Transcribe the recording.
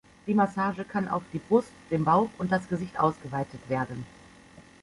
Die Massage kann auf die Brust, den Bauch und das Gesicht ausgeweitet werden.